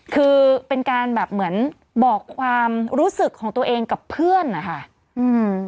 คือเป็นการแบบเหมือนบอกความรู้สึกของตัวเองกับเพื่อนนะคะอืม